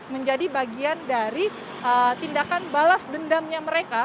menjadi bagian dari tindakan balas dendamnya mereka